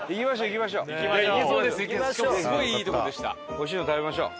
おいしいの食べましょう。